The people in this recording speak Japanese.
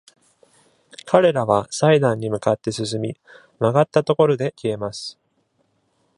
彼らは祭壇に向かって進み、曲がったところで消えます。